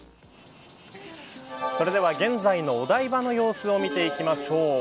それでは現在のお台場の様子を見ていきましょう。